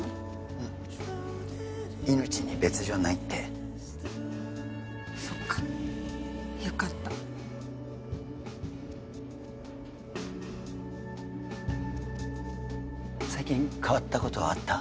うん命に別状ないってそっかよかった最近変わったことはあった？